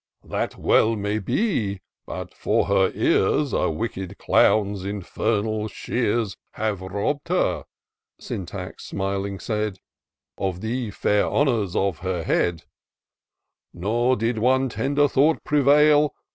" That well may bo; — ^but, for her ears, A wickefl clown's infernal shears Have robb'd her," Syntax smiling said, " Of the fair honours of her head ; Nor did oiie tender thought prevail.